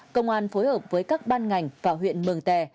công an phối hợp với các ban ngành và huyện mường tè